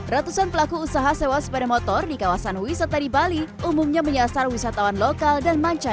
ratusan pelaku usaha sewa sepeda motor di kawasan wisata di bali umumnya menyasar wisatawan lokal dan mancana